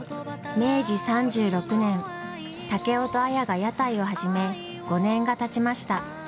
明治３６年竹雄と綾が屋台を始め５年がたちました。